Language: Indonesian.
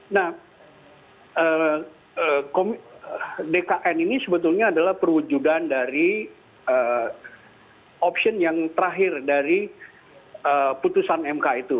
nah dkn ini sebetulnya adalah perwujudan dari opsi yang terakhir dari putusan mk itu